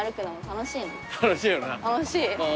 楽しい。